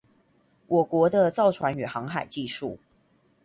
我國的造船與航海技術